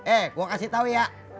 eh gue kasih tau ya